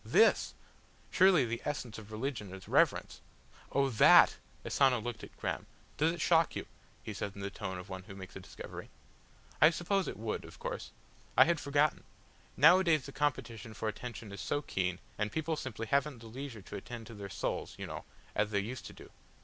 "This! Surely the essence of religion is reverence." "Oh that!" Asano looked at Graham. "Does it shock you?" he said in the tone of one who makes a discovery. "I suppose it would, of course. I had forgotten. Nowadays the competition for attention is so keen, and people simply haven't the leisure to attend to their souls, you know, as they used to do."